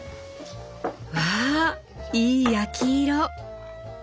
わあいい焼き色！